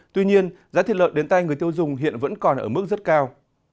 tuy nhiên giá thịt lợn đến tay người tiêu dùng hiện vẫn còn ở mức rất cao